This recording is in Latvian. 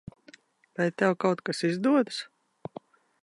Vai tev kaut kas izdodas?